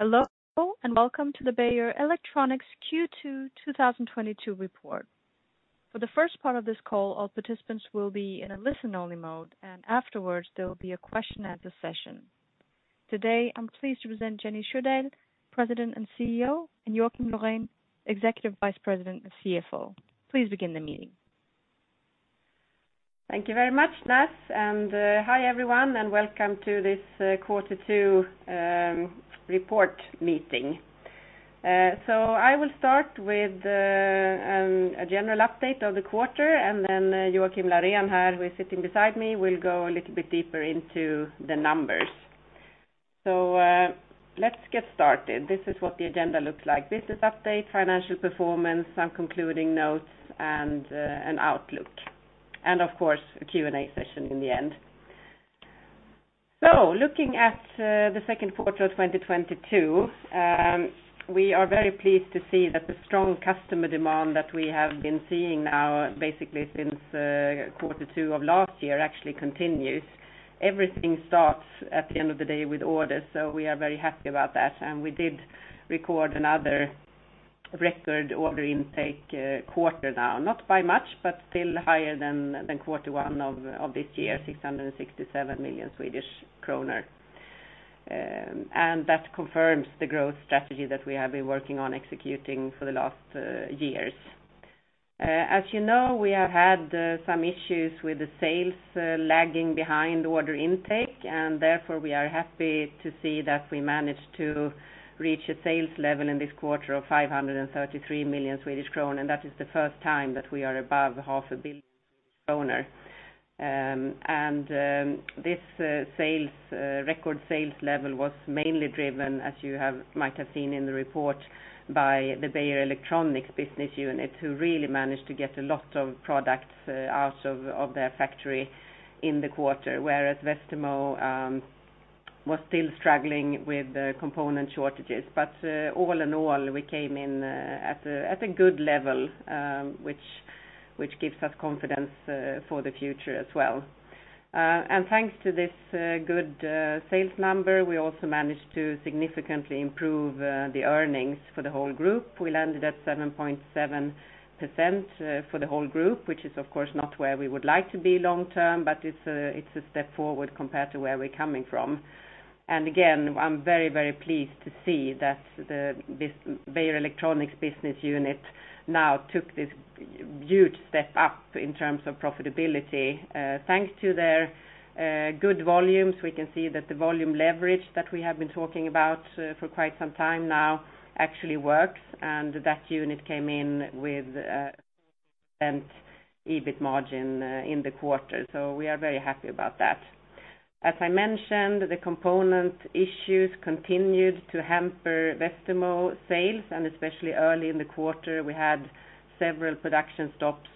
Hello, and welcome to the Beijer Electronics Q2 2022 report. For the first part of this call, all participants will be in a listen only mode, and afterwards there will be a question-and-answer session. Today, I'm pleased to present Jenny Sjödahl, President and CEO, and Joakim Laurén, Executive Vice President and CFO. Please begin the meeting. Thank you very much, Nas. Hi, everyone, and welcome to this quarter two report meeting. I will start with a general update of the quarter, and then Joakim Laurén here, who is sitting beside me, will go a little bit deeper into the numbers. Let's get started. This is what the agenda looks like. Business update, financial performance, some concluding notes, and an outlook, and of course, a Q&A session in the end. Looking at the second quarter of 2022, we are very pleased to see that the strong customer demand that we have been seeing now basically since quarter two of last year actually continues. Everything starts at the end of the day with orders, so we are very happy about that. We did record another record order intake quarter now, not by much, but still higher than quarter one of this year, 667 million Swedish kronor. That confirms the growth strategy that we have been working on executing for the last years. As you know, we have had some issues with the sales lagging behind order intake, and therefore we are happy to see that we managed to reach a sales level in this quarter of 533 million Swedish kronor, and that is the first time that we are above 500 million Swedish kronor. This sales record sales level was mainly driven, as you might have seen in the report, by the Beijer Electronics business unit, who really managed to get a lot of products out of their factory in the quarter. Whereas Westermo was still struggling with the component shortages. All in all, we came in at a good level, which gives us confidence for the future as well. Thanks to this good sales number, we also managed to significantly improve the earnings for the whole group. We landed at 7.7% for the whole group, which is of course not where we would like to be long term, but it's a step forward compared to where we're coming from. I'm very, very pleased to see that the Beijer Electronics business unit now took this huge step up in terms of profitability, thanks to their good volumes. We can see that the volume leverage that we have been talking about for quite some time now actually works, and that unit came in with EBIT margin in the quarter. We are very happy about that. As I mentioned, the component issues continued to hamper Westermo sales, and especially early in the quarter, we had several production stops,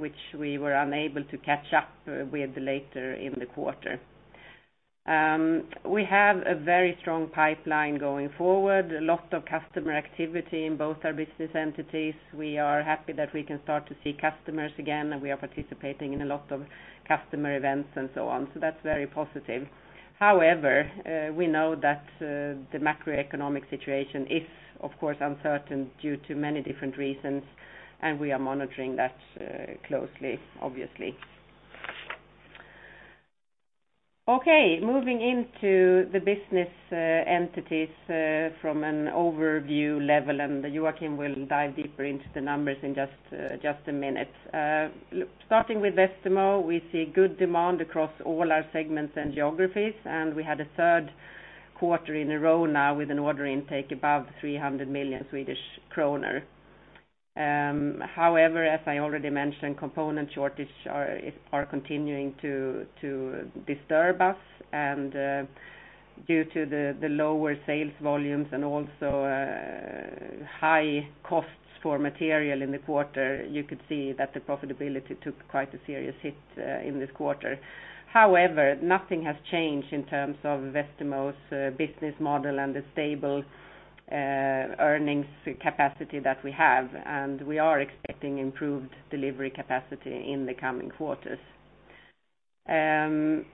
which we were unable to catch up with later in the quarter. We have a very strong pipeline going forward, a lot of customer activity in both our business entities. We are happy that we can start to see customers again, and we are participating in a lot of customer events and so on. That's very positive. However, we know that the macroeconomic situation is of course uncertain due to many different reasons, and we are monitoring that closely, obviously. Okay, moving into the business entities from an overview level, and Joakim will dive deeper into the numbers in just a minute. Starting with Westermo, we see good demand across all our segments and geographies, and we had a third quarter in a row now with an order intake above 300 million Swedish kronor. However, as I already mentioned, component shortages are continuing to disturb us. Due to the lower sales volumes and also high costs for material in the quarter, you could see that the profitability took quite a serious hit in this quarter. However, nothing has changed in terms of Westermo's business model and the stable earnings capacity that we have, and we are expecting improved delivery capacity in the coming quarters. Again,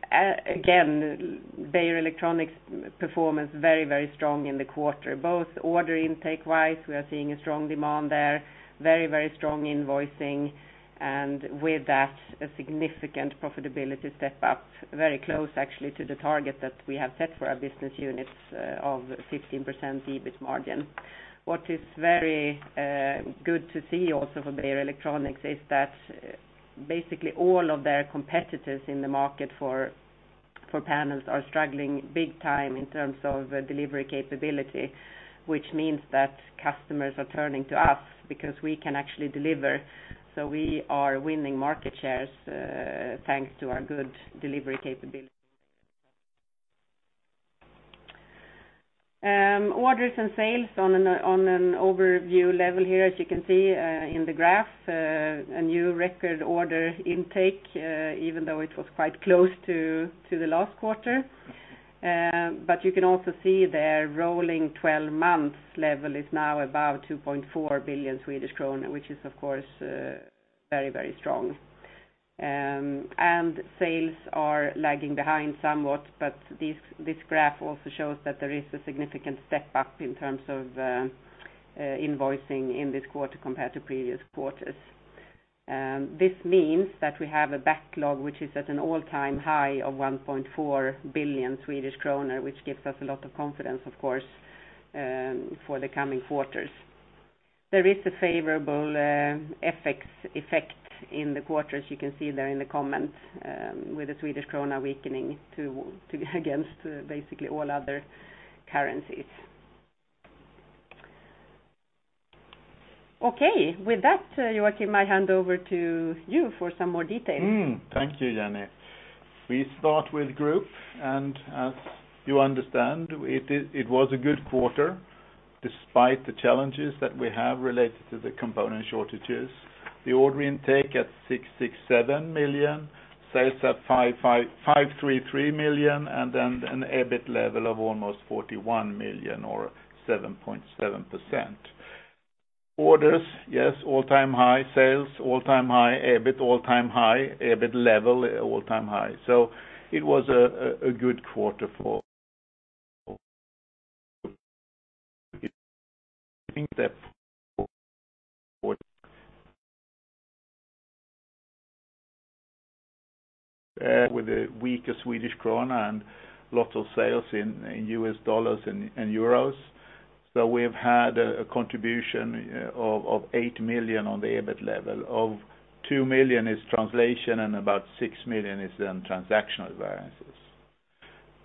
Beijer Electronics performance very, very strong in the quarter. Both order intake-wise, we are seeing a strong demand there, very, very strong invoicing, and with that, a significant profitability step up, very close actually to the target that we have set for our business units of 15% EBIT margin. What is very good to see also for Beijer Electronics is that basically all of their competitors in the market for panels are struggling big time in terms of delivery capability, which means that customers are turning to us because we can actually deliver. We are winning market shares thanks to our good delivery capability. Orders and sales on an overview level here, as you can see in the graph, a new record order intake even though it was quite close to the last quarter. You can also see their rolling 12 months level is now above 2.4 billion Swedish kronor, which is of course, very, very strong. Sales are lagging behind somewhat, but this graph also shows that there is a significant step up in terms of invoicing in this quarter compared to previous quarters. This means that we have a backlog, which is at an all-time high of 1.4 billion Swedish kronor, which gives us a lot of confidence, of course, for the coming quarters. There is a favorable FX effect in the quarter, as you can see there in the comments, with the Swedish krona weakening against basically all other currencies. Okay. With that, Joakim, I hand over to you for some more details. Thank you, Jenny. We start with group, and as you understand, it was a good quarter despite the challenges that we have related to the component shortages. The order intake at 667 million, sales at 533 million, and then an EBIT level of almost 41 million or 7.7%. Orders, yes, all-time high. Sales, all-time high. EBIT, all-time high. EBIT level, all-time high. It was a good quarter with the weaker Swedish krona and lots of sales in U.S. dollars and euros. We have had a contribution of 8 million on the EBIT level, 2 million is translation and about 6 million is in transactional variances.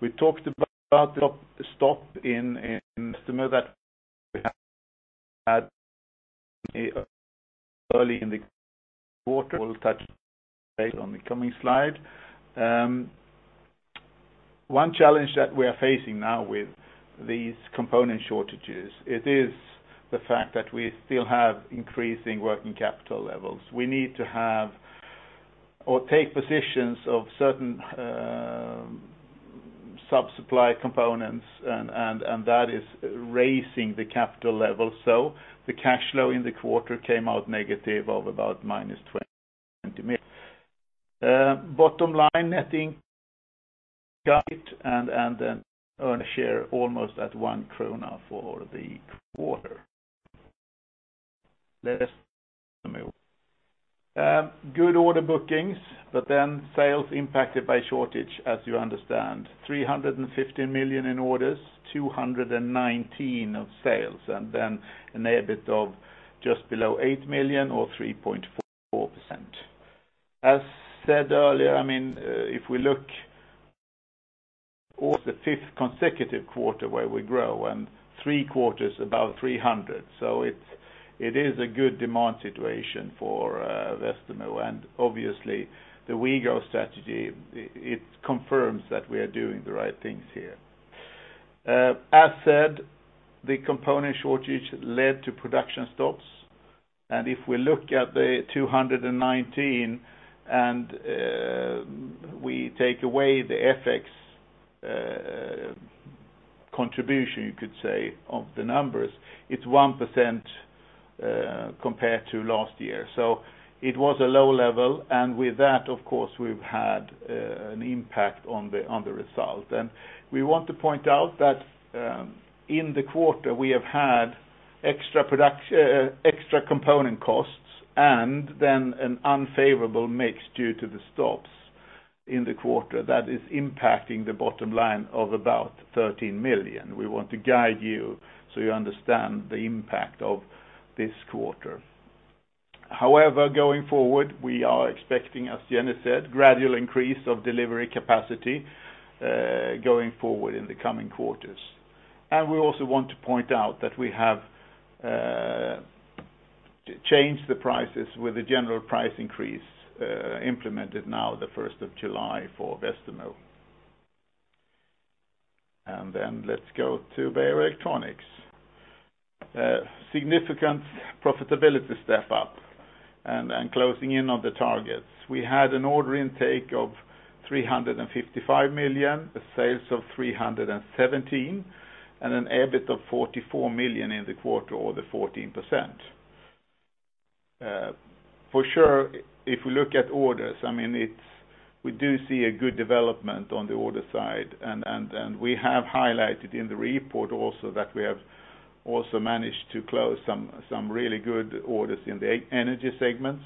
We talked about the stop in customer that we had early in the quarter. We'll touch base on the coming slide. One challenge that we are facing now with these component shortages, it is the fact that we still have increasing working capital levels. We need to have or take positions of certain sub-supply components and that is raising the capital level. The cash flow in the quarter came out negative of about -20 million. Bottom line net income guidance, and then earnings per share almost at 1 krona for the quarter. Let us move. Good order bookings, but then sales impacted by shortage, as you understand. 350 million in orders, 219 million in sales, and then an EBIT of just below 8 million or 3.4%. As said earlier, I mean, if we look at the fifth consecutive quarter where we grow and three quarters above 300, it is a good demand situation for Westermo. Obviously, the Westermo strategy, it confirms that we are doing the right things here. As said, the component shortage led to production stops, and if we look at 219 and we take away the FX contribution, you could say, of the numbers, it is 1% compared to last year. It was a low level, and with that, of course, we have had an impact on the result. We want to point out that, in the quarter, we have had extra component costs and then an unfavorable mix due to the stops in the quarter that is impacting the bottom line of about 13 million. We want to guide you so you understand the impact of this quarter. However, going forward, we are expecting, as Jenny said, gradual increase of delivery capacity, going forward in the coming quarters. We also want to point out that we have changed the prices with a general price increase, implemented now the first of July for Westermo. Let's go to Beijer Electronics. Significant profitability step up and closing in on the targets. We had an order intake of 355 million, sales of 317 million, and an EBIT of 44 million in the quarter or 14%. For sure, if we look at orders, I mean, we do see a good development on the order side, and we have highlighted in the report also that we have also managed to close some really good orders in the energy segments.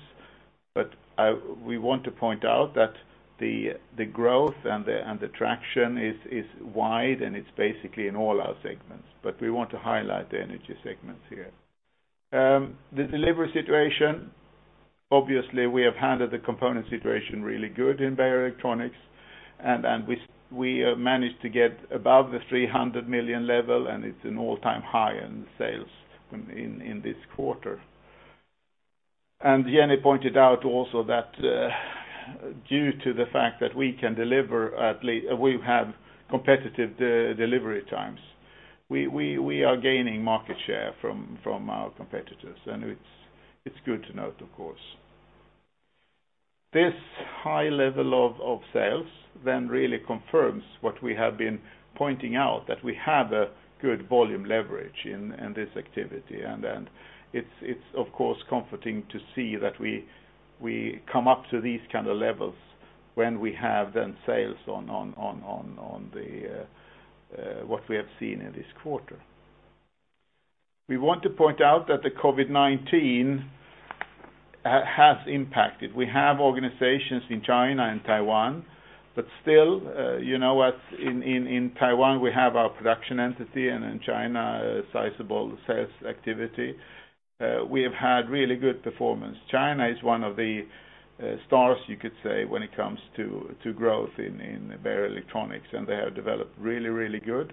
We want to point out that the growth and the traction is wide, and it's basically in all our segments. We want to highlight the energy segments here. The delivery situation, obviously, we have handled the component situation really good in Beijer Electronics, and we have managed to get above the 300 million level, and it's an all-time high in the sales in this quarter. Jenny pointed out also that, due to the fact that we have competitive delivery times, we are gaining market share from our competitors, and it's good to note, of course. This high level of sales then really confirms what we have been pointing out, that we have a good volume leverage in this activity, and it's of course comforting to see that we come up to these kind of levels. When we have then sales on the what we have seen in this quarter. We want to point out that the COVID-19 has impacted. We have organizations in China and Taiwan, but still, you know what? In Taiwan, we have our production entity, and in China, a sizable sales activity. We have had really good performance. China is one of the stars, you could say, when it comes to growth in Beijer Electronics, and they have developed really good.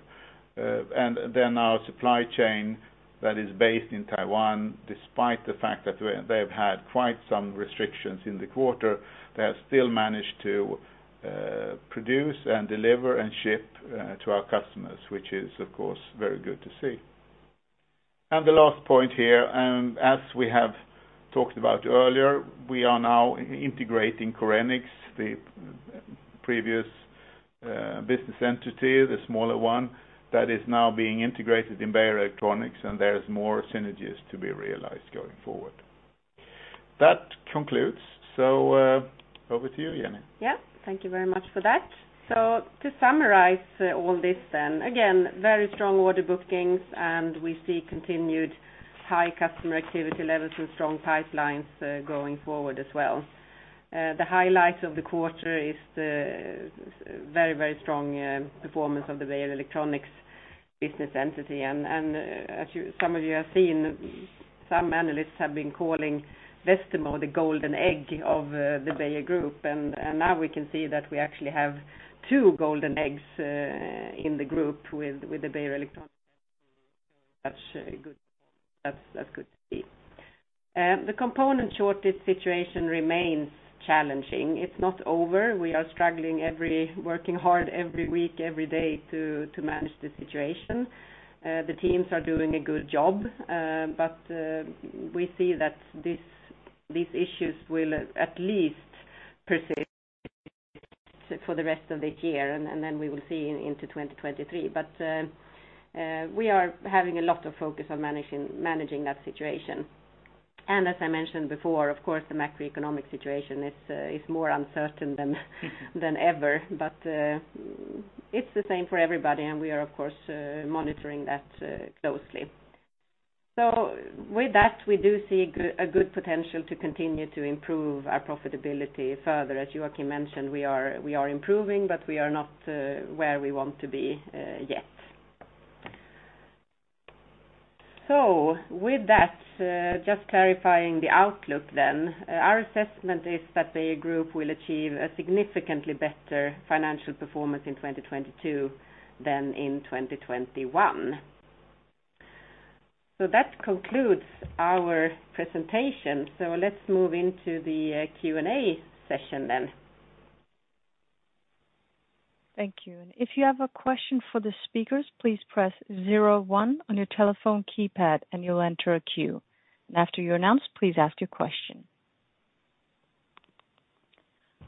And then our supply chain that is based in Taiwan, despite the fact that they've had quite some restrictions in the quarter, they have still managed to produce and deliver and ship to our customers, which is, of course, very good to see. The last point here, as we have talked about earlier, we are now integrating Korenix, the previous business entity, the smaller one, that is now being integrated in Beijer Electronics, and there's more synergies to be realized going forward. That concludes. Over to you, Jenny. Yeah. Thank you very much for that. To summarize, all this then, again, very strong order bookings, and we see continued high customer activity levels and strong pipelines, going forward as well. The highlight of the quarter is the very strong performance of the Beijer Electronics business entity. Some of you have seen, some analysts have been calling Westermo the golden egg of the Beijer group. Now we can see that we actually have two golden eggs in the group with the Beijer Electronics. That's good. That's good to see. The component shortage situation remains challenging. It's not over. We are working hard every week, every day to manage the situation. The teams are doing a good job, but we see that these issues will at least persist for the rest of this year, and then we will see into 2023. We are having a lot of focus on managing that situation. As I mentioned before, of course, the macroeconomic situation is more uncertain than ever. It's the same for everybody, and we are, of course, monitoring that closely. With that, we do see a good potential to continue to improve our profitability further. As Joakim mentioned, we are improving, but we are not where we want to be yet. With that, just clarifying the outlook then, our assessment is that the group will achieve a significantly better financial performance in 2022 than in 2021. That concludes our presentation. Let's move into the Q&A session then. Thank you. If you have a question for the speakers, please press zero one on your telephone keypad, and you'll enter a queue. After you're announced, please ask your question.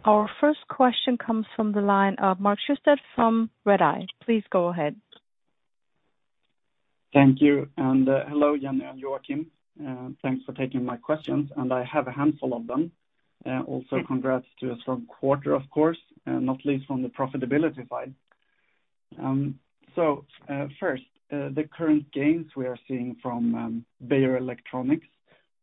Our first question comes from the line of Mark Siöstedt from Redeye. Please go ahead. Thank you. Hello, Jenny and Joakim. Thanks for taking my questions, and I have a handful of them. Also congrats to a strong quarter, of course, not least from the profitability side. First, the current gains we are seeing from Beijer Electronics,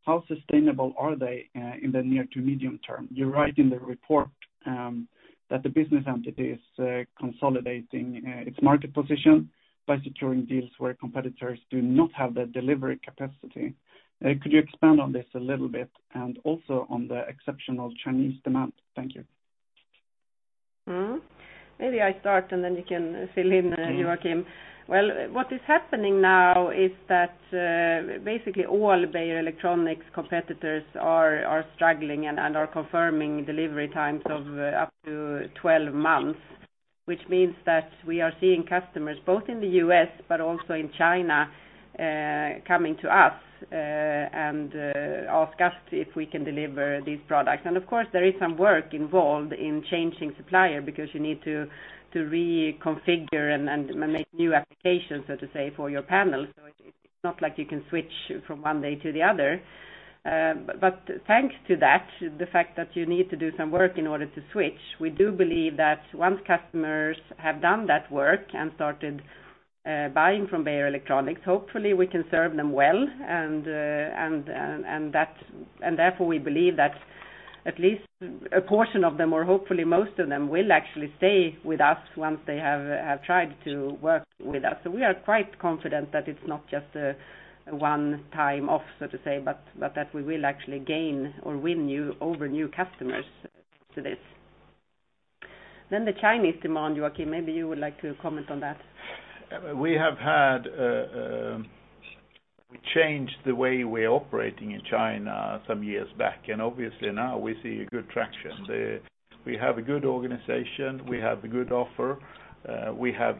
how sustainable are they in the near to medium term? You write in the report that the business entity is consolidating its market position by securing deals where competitors do not have the delivery capacity. Could you expand on this a little bit and also on the exceptional Chinese demand? Thank you. Maybe I start, and then you can fill in, Joakim. Well, what is happening now is that basically all Beijer Electronics competitors are struggling and are confirming delivery times of up to 12 months, which means that we are seeing customers both in the U.S. but also in China coming to us and ask us if we can deliver these products. Of course, there is some work involved in changing supplier because you need to reconfigure and make new applications, so to say, for your panel. So it's not like you can switch from one day to the other. Thanks to that, the fact that you need to do some work in order to switch, we do believe that once customers have done that work and started buying from Beijer Electronics, hopefully we can serve them well. Therefore we believe that at least a portion of them, or hopefully most of them, will actually stay with us once they have tried to work with us. We are quite confident that it's not just one time off, so to say, but that we will actually gain or win new customers to this. The Chinese demand, Joakim, maybe you would like to comment on that. We have had. We changed the way we're operating in China some years back, and obviously now we see a good traction. We have a good organization. We have a good offer. We have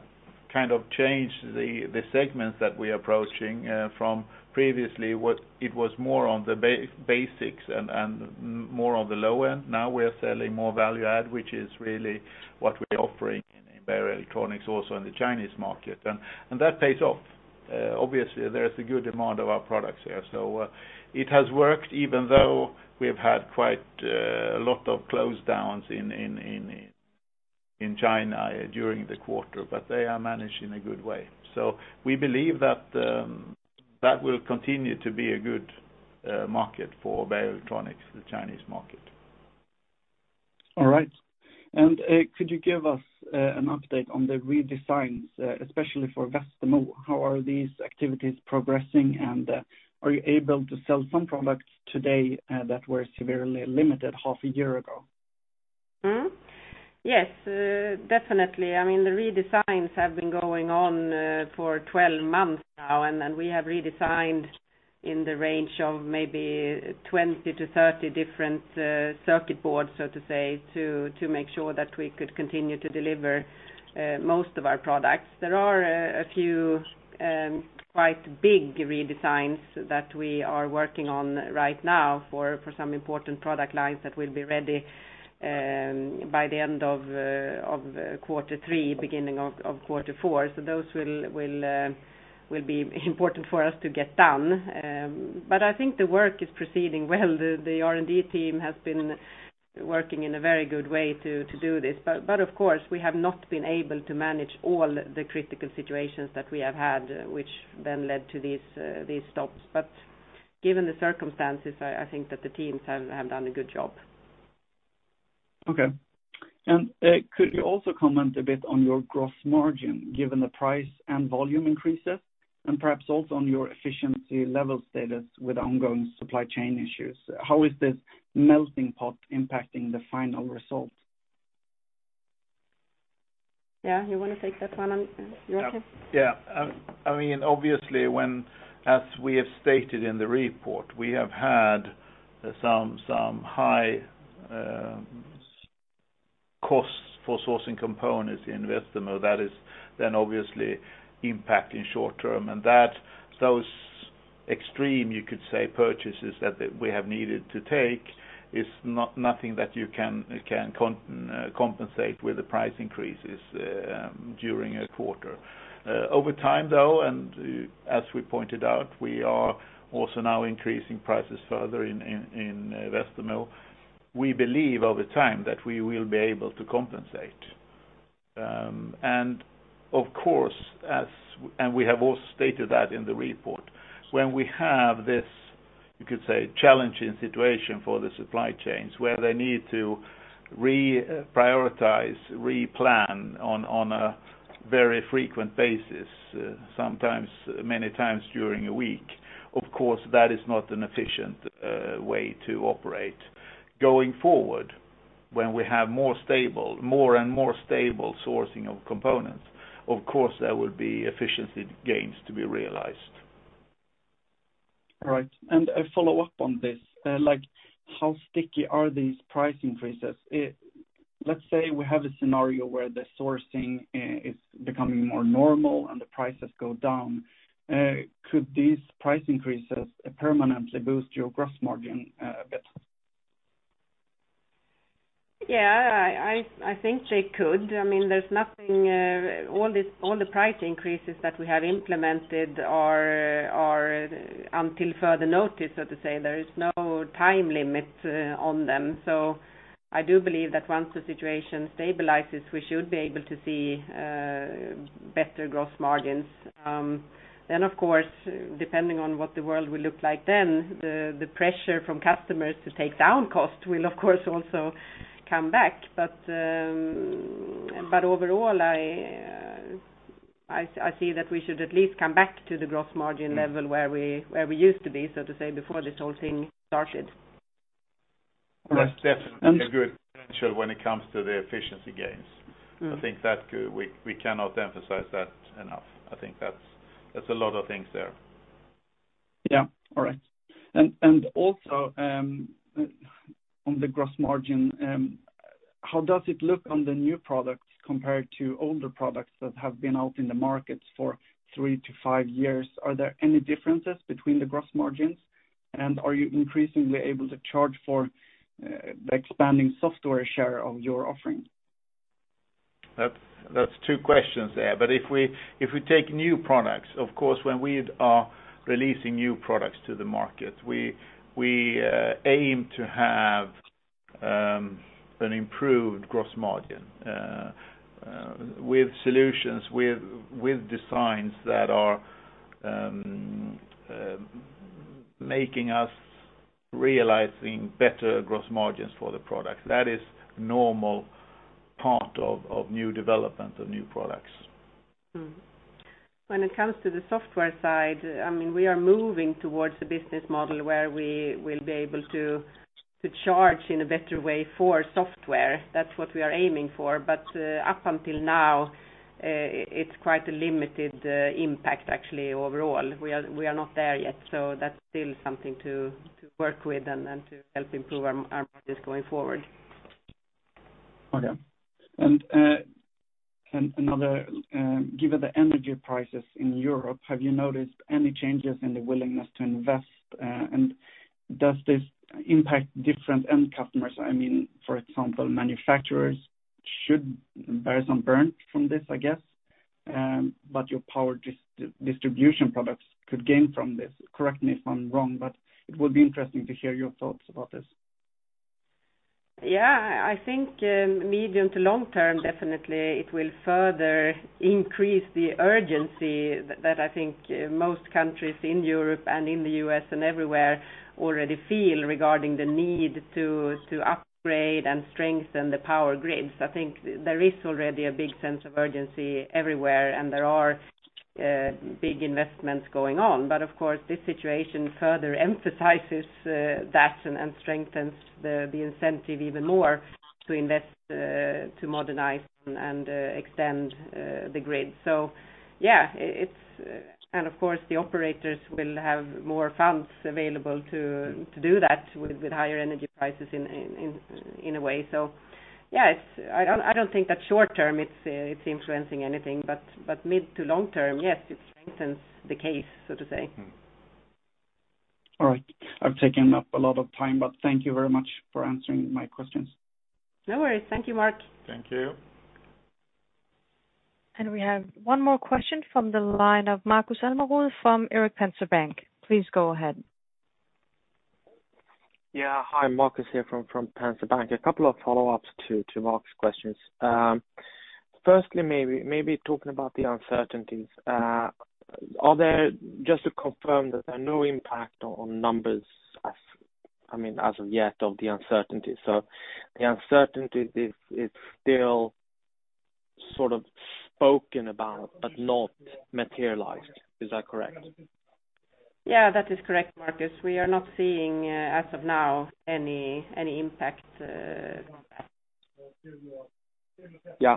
kind of changed the segments that we're approaching from previously what it was more on the basics and more on the low end. Now we are selling more value add, which is really what we're offering in Beijer Electronics also in the Chinese market. That pays off. Obviously there's a good demand of our products here. It has worked even though we've had quite a lot of lockdowns in China during the quarter, but they are managed in a good way. We believe that will continue to be a good market for Beijer Electronics, the Chinese market. All right. Could you give us an update on the redesigns, especially for Westermo? How are these activities progressing, and are you able to sell some products today that were severely limited half a year ago? Yes, definitely. I mean, the redesigns have been going on for 12 months now, and then we have redesigned in the range of maybe 20-30 different circuit boards, so to say, to make sure that we could continue to deliver most of our products. There are a few quite big redesigns that we are working on right now for some important product lines that will be ready by the end of quarter three, beginning of quarter four. So those will be important for us to get done. I think the work is proceeding well. The R&D team has been working in a very good way to do this. Of course, we have not been able to manage all the critical situations that we have had, which then led to these stops. Given the circumstances, I think that the teams have done a good job. Okay. Could you also comment a bit on your gross margin given the price and volume increases, and perhaps also on your efficiency level status with ongoing supply chain issues? How is this melting pot impacting the final result? Yeah. You wanna take that one, Joakim? Yeah. I mean, obviously, when, as we have stated in the report, we have had some high costs for sourcing components in Westermo, that is then obviously impact in short term. Those extreme, you could say, purchases that we have needed to take is not nothing that you can compensate with the price increases during a quarter. Over time, though, and as we pointed out, we are also now increasing prices further in Westermo. We believe over time that we will be able to compensate. We have also stated that in the report, when we have this, you could say challenging situation for the supply chains, where they need to reprioritize, replan on a very frequent basis, sometimes many times during a week, of course, that is not an efficient way to operate. Going forward, when we have more stable, more and more stable sourcing of components, of course, there will be efficiency gains to be realized. All right. A follow-up on this, like how sticky are these price increases? Let's say we have a scenario where the sourcing is becoming more normal and the prices go down, could these price increases permanently boost your gross margin, a bit? Yeah. I think they could. I mean, there's nothing, all this, all the price increases that we have implemented are until further notice, so to say. There is no time limit on them. I do believe that once the situation stabilizes, we should be able to see better gross margins. Then of course, depending on what the world will look like then, the pressure from customers to take down costs will, of course, also come back. Overall, I see that we should at least come back to the gross margin level where we used to be, so to say, before this whole thing started. That's definitely a good potential when it comes to the efficiency gains. Mm-hmm. I think that we cannot emphasize that enough. I think that's a lot of things there. Yeah. All right. Also, on the gross margin, how does it look on the new products compared to older products that have been out in the markets for three to five years? Are there any differences between the gross margins, and are you increasingly able to charge for, the expanding software share of your offering? That's two questions there. If we take new products, of course, when we are releasing new products to the market, we aim to have an improved gross margin with solutions with designs that are making us realizing better gross margins for the products. That is normal part of new development of new products. Mm-hmm. When it comes to the software side, I mean, we are moving towards a business model where we will be able to charge in a better way for software. That's what we are aiming for. Up until now, it's quite a limited impact actually overall. We are not there yet, so that's still something to work with and to help improve our margins going forward. Okay. Another, given the energy prices in Europe, have you noticed any changes in the willingness to invest? Does this impact different end customers? I mean, for example, manufacturers should bear some brunt from this, I guess. Your power distribution products could gain from this. Correct me if I'm wrong, but it would be interesting to hear your thoughts about this. Yeah. I think medium to long term, definitely it will further increase the urgency that I think most countries in Europe and in the U.S. and everywhere already feel regarding the need to upgrade and strengthen the power grids. I think there is already a big sense of urgency everywhere, and there are big investments going on. Of course, this situation further emphasizes that and strengthens the incentive even more to invest to modernize and extend the grid. Yeah, it's, and of course, the operators will have more funds available to do that with higher energy prices in a way. Yeah, it's. I don't think that short term it's influencing anything, but mid to long term, yes, it strengthens the case, so to say. All right. I've taken up a lot of time, but thank you very much for answering my questions. No worries. Thank you, Mark. Thank you. We have one more question from the line of Markus Almerud from Erik Penser Bank. Please go ahead. Yeah. Hi, Markus here from Erik Penser Bank. A couple of follow-ups to Mark's questions. Firstly, maybe talking about the uncertainties. Just to confirm that there are no impact on numbers as I mean as of yet of the uncertainty. The uncertainty is still sort of spoken about but not materialized. Is that correct? Yeah, that is correct, Markus. We are not seeing, as of now, any impact. Yeah.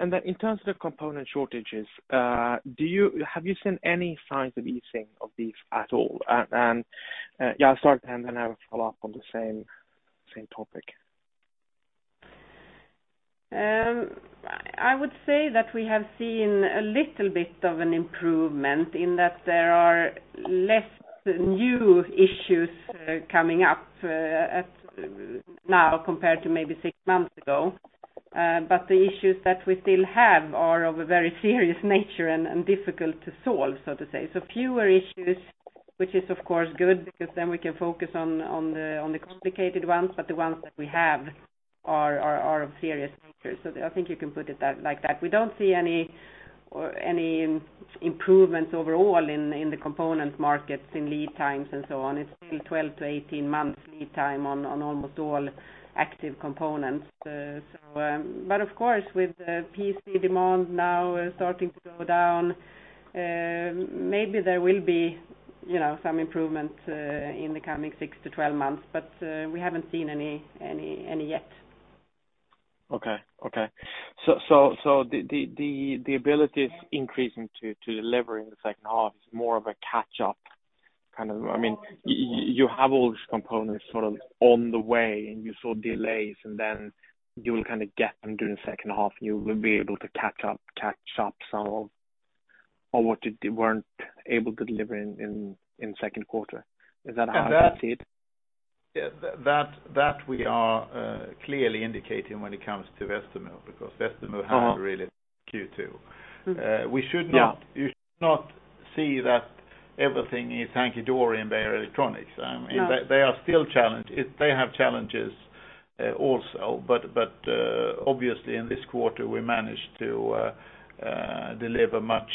In terms of the component shortages, have you seen any signs of easing of these at all? Yeah, I'll start, and then I have a follow-up on the same topic. I would say that we have seen a little bit of an improvement in that there are less new issues coming up now compared to maybe six months ago. The issues that we still have are of a very serious nature and difficult to solve, so to say. Fewer issues, which is, of course, good because then we can focus on the complicated ones, but the ones that we have are of serious nature. I think you can put it that, like that. We don't see any improvements overall in the component markets in lead times and so on. It's still 12-18 months lead time on almost all active components. Of course, with the PC demand now starting to go down, maybe there will be, you know, some improvement in the coming six to 12 months, but we haven't seen any yet. The ability is increasing to deliver in the second half is more of a catch-up kind of. I mean, you have all these components sort of on the way, and you saw delays, and then you will kinda get them during the second half, and you will be able to catch up some of what you weren't able to deliver in second quarter. Is that how I see it? That we are clearly indicating when it comes to Westermo, because Westermo had a really Q2. Yeah. You should not see that everything is hunky-dory in Beijer Electronics. Yeah. They have challenges, also. Obviously in this quarter, we managed to deliver much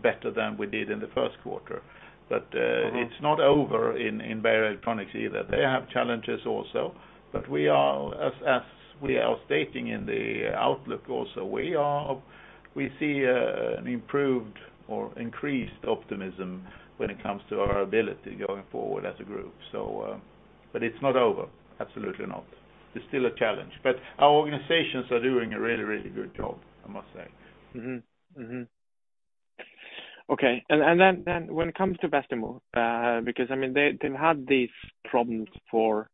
better than we did in the first quarter. Mm-hmm. It's not over in Beijer Electronics either. They have challenges also. We are, as we are stating in the outlook also, we see an improved or increased optimism when it comes to our ability going forward as a group. It's not over. Absolutely not. It's still a challenge. Our organizations are doing a really, really good job, I must say. Okay. When it comes to Westermo, because, I mean, they've had these problems for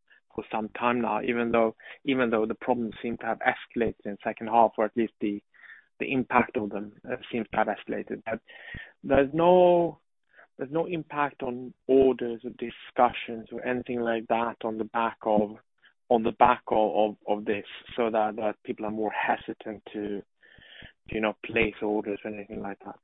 some time now, even though the problems seem to have escalated in second half, or at least the impact of them seems to have escalated. There's no impact on orders or discussions or anything like that on the back of this so that people are more hesitant to, you know, place orders or anything like that?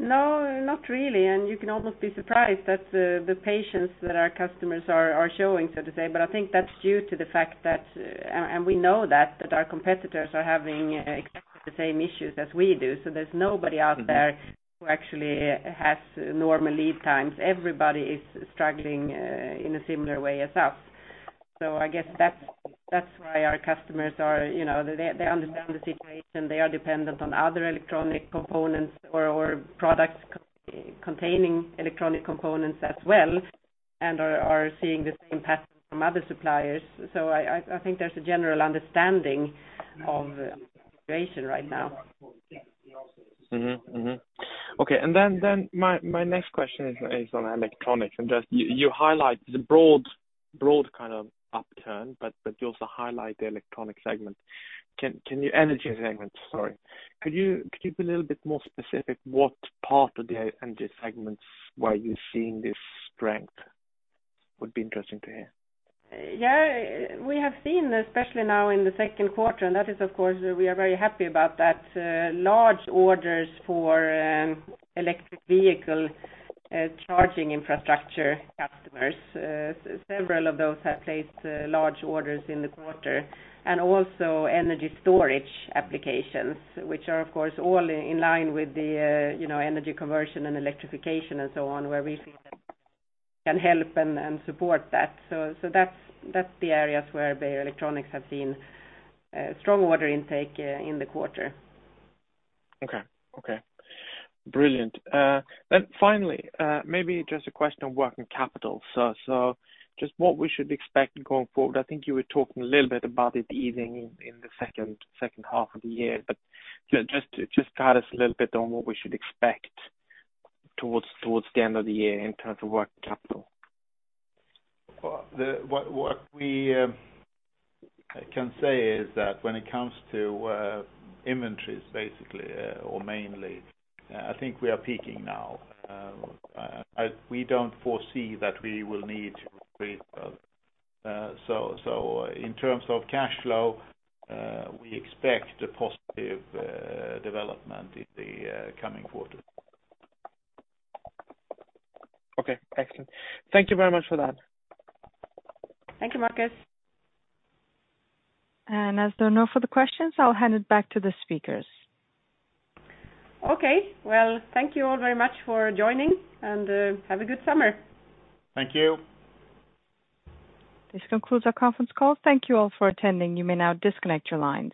No, not really. You can almost be surprised that the patience that our customers are showing, so to say. I think that's due to the fact that and we know that our competitors are having exactly the same issues as we do. There's nobody out there who actually has normal lead times. Everybody is struggling in a similar way as us. I guess that's why our customers are, you know, they understand the situation. They are dependent on other electronic components or products containing electronic components as well and are seeing the same pattern from other suppliers. I think there's a general understanding of the situation right now. Mm-hmm. Mm-hmm. Okay. My next question is on electronics. You highlight the broad kind of upturn, but you also highlight the electronic segment. Energy segment, sorry. Could you be a little bit more specific what part of the energy segments were you seeing this strength? Would be interesting to hear. Yeah, we have seen, especially now in the second quarter, and that is of course, we are very happy about that, large orders for electric vehicle charging infrastructure customers. Several of those have placed large orders in the quarter and also energy storage applications, which are of course all in line with the you know, energy conversion and electrification and so on, where we think that we can help and support that. That's the areas where Beijer Electronics have seen strong order intake in the quarter. Okay. Brilliant. Finally, maybe just a question on working capital. Just what we should expect going forward. I think you were talking a little bit about it easing in the second half of the year, but just guide us a little bit on what we should expect towards the end of the year in terms of working capital. Well, what we can say is that when it comes to inventories, basically or mainly, I think we are peaking now. We don't foresee that we will need to increase those. In terms of cash flow, we expect a positive development in the coming quarters. Okay, excellent. Thank you very much for that. Thank you, Markus. As there are no further questions, I'll hand it back to the speakers. Okay. Well, thank you all very much for joining and have a good summer. Thank you. This concludes our conference call. Thank you all for attending. You may now disconnect your lines.